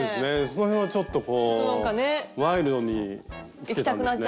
その辺はちょっとこうワイルドにきてたんですね。